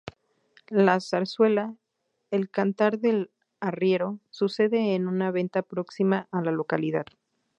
La zarzuela "El cantar del arriero" sucede en una venta próxima a la localidad.